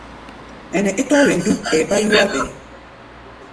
Ɛnɛ é tɔ̧́ɔ̧́ wen dúk, ɛɛ bá yúwár ɓɛɛ́.